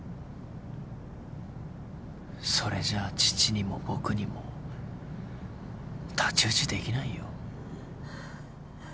それじゃあ父にも僕にも太刀打ちできないよ。